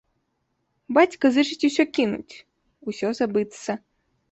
Бацька зычыць усё кінуць, усё забыцца.